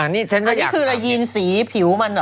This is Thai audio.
อันนี้คืออะไรยีนสีผิวมันเหรอ